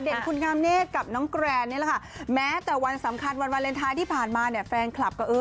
เด่นคุณคำเนตกับน้องแกรนนี่แหละค่ะ